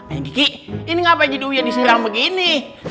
eh kiki ini ngapain jadi uya diserang begini